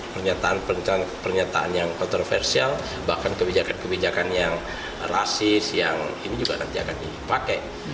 pernyataan pernyataan yang kontroversial bahkan kebijakan kebijakan yang rasis yang ini juga nanti akan dipakai